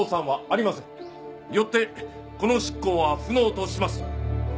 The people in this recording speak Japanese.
よってこの執行は不能とします。